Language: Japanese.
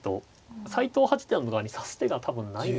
斎藤八段の側に指す手が多分ないんですね。